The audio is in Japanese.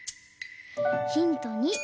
ヒント２。